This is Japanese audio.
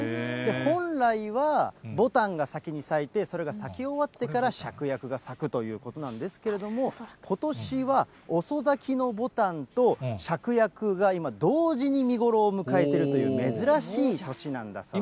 本来は、ぼたんが先に咲いて、それが咲き終わってからしゃくやくが咲くということなんですけれども、ことしは遅咲きのぼたんとしゃくやくが今、同時に見頃を迎えているという、珍しい年なんだそうです。